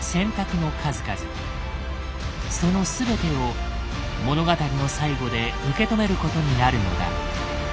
その全てを物語の最後で受け止めることになるのだ。